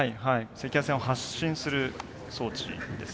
赤外線を発信する装置ですね。